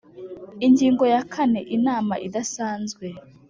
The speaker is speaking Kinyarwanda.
Ingingo ya kane Inama idasanzwe